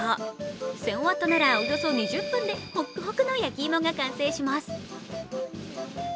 １０００Ｗなら、およそ２０分でほくほくの焼き芋が完成します。